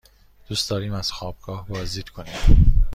دوست داریم از خوابگاه بازدید کنیم.